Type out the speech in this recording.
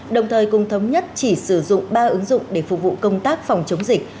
đồng thời cùng thống nhất chỉ sử dụng ba ứng dụng để phục vụ công tác phòng chống dịch